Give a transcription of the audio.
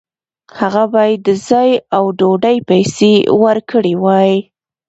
هغه باید د ځای او ډوډۍ پیسې ورکړې وای.